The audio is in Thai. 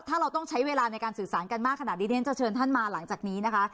ถ้าเราต้องใช้เวลาในการสื่อสารกันมากขนาดนี้เดี๋ยวฉันจะเชิญท่านมาหลังจากนี้นะคะ